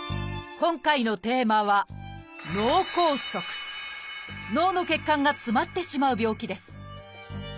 今回のテーマは脳の血管が詰まってしまう病気です。